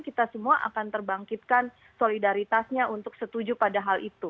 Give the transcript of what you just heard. kita semua akan terbangkitkan solidaritasnya untuk setuju pada hal itu